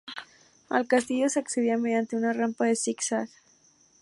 Al castillo se accedía mediante una rampa en zigzag.